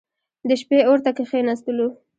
د شپې اور ته کښېنستلو.